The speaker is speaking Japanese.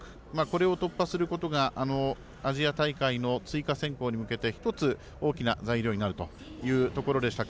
これを突破することがアジア大会の追加選考に向けて一つ、大きな材料になるというところでした